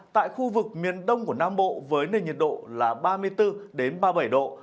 tại khu vực miền đông của nam bộ với nền nhiệt độ là ba mươi bốn ba mươi bảy độ